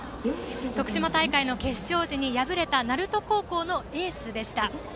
徳島大会の決勝時に敗れた鳴門高校のエースでした。